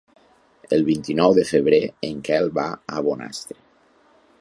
El vint-i-nou de febrer en Quel va a Bonastre.